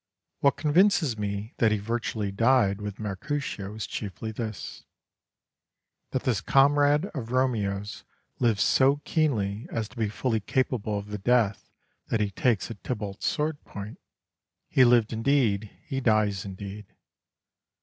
What convinces me that he virtually died with Mercutio is chiefly this that this comrade of Romeo's lives so keenly as to be fully capable of the death that he takes at Tybalt's sword point; he lived indeed, he dies indeed.